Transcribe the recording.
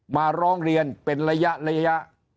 มาร้องเรียนเป็นระยะ